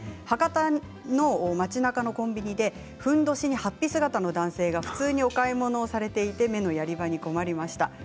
博多の街なかのコンビニでふんどしにはっぴ姿の男性が普通にお買い物されていて目のやり場に困りました。